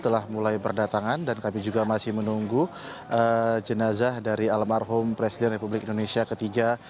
telah mulai berdatangan dan kami juga masih menunggu jenazah dari almarhum presiden republik indonesia ketiga